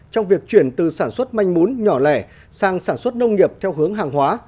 trong việc chuyển từ sản xuất manh mún nhỏ lẻ sang sản xuất nông nghiệp theo hướng hàng hóa